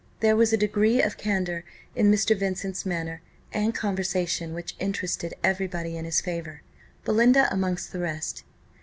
There was a degree of candour in Mr. Vincent's manner and conversation, which interested every body in his favour; Belinda amongst the rest.